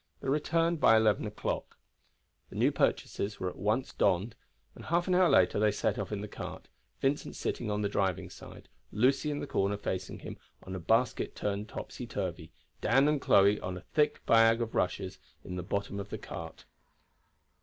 They returned by eleven o'clock. The new purchases were at once donned, and half an hour later they set off in the cart, Vincent sitting on the side driving, Lucy in the corner facing him on a basket turned topsy turvy, Dan and Chloe on a thick bag of rushes in the bottom of the cart.